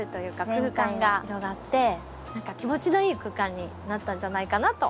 空間が広がって何か気持ちのいい空間になったんじゃないかなと。